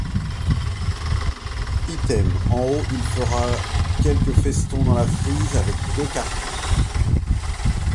Item, en haut il fera quelque festons dans la frise, avec deux cartouches.